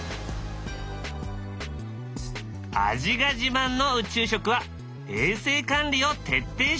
味が自慢の宇宙食は衛生管理を徹底していた。